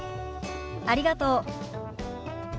ありがとう。